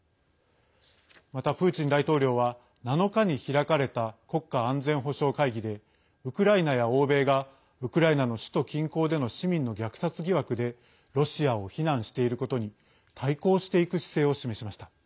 また、プーチン大統領は７日に開かれた国家安全保障会議でウクライナや欧米がウクライナの首都近郊での市民の虐殺疑惑でロシアを非難していることに対抗していく姿勢を示しました。